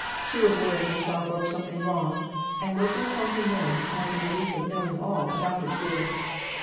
She was worrying herself over something wrong, and working upon her nerves more than a week of knowing all about it would.